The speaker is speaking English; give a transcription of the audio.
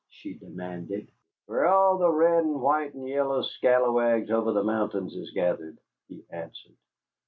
she demanded. "Where all the red and white and yellow scalawags over the mountains is gathered," he answered.